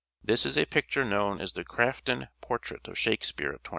This is a picture known as the Graf ton portrait of Shakespeare at 24.